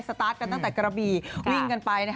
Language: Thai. ตาร์ทกันตั้งแต่กระบี่วิ่งกันไป